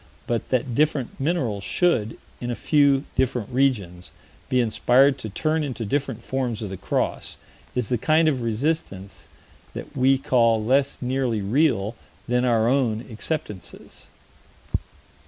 But that different minerals should, in a few different regions, be inspired to turn into different forms of the cross is the kind of resistance that we call less nearly real than our own acceptances.